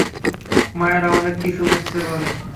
মায়েরা অনেক কিছু বুঝতে পারে।